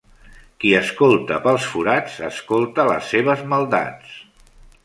Qui escolta pels forats, escolta les seves maldats.